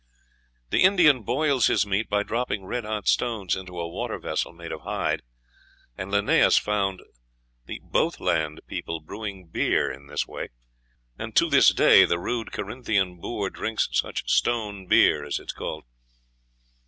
The Indian boils his meat by dropping red hot stones into a water vessel made of hide; and Linnæus found the Both land people brewing beer in this way "and to this day the rude Carinthian boor drinks such stone beer, as it is called."